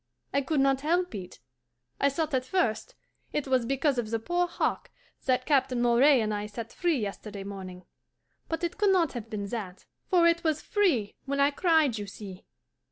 I could not help it. I thought at first it was because of the poor hawk that Captain Moray and I set free yesterday morning; but it could not have been that, for it was FREE when I cried, you see.